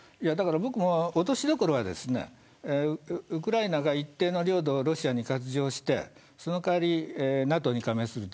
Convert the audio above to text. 僕も落としどころはウクライナが一定の領土をロシアに割譲してその代わりにＮＡＴＯに加盟する。